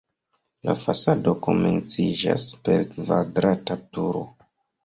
La fasado komenciĝas per kvadrata turo.